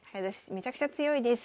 めちゃくちゃ強いです。